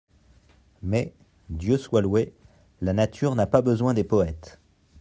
Mais, Dieu soit loué, la nature n'a pas besoin des poètes.